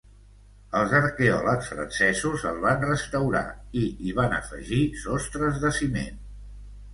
Els arqueòlegs francesos el van restaurar i hi van afegir sostres de ciment.